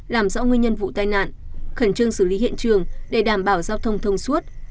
làm rõ nguyên nhân vụ tai nạn khẩn trương xử lý hiện trường để đảm bảo giao thông thông suốt